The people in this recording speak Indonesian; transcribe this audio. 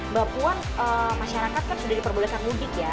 mbak puan masyarakat kan sudah diperbolehkan mudik ya